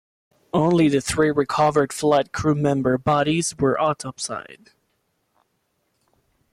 Only the three recovered flight crewmember bodies were autopsied.